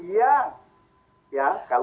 yang ya kalau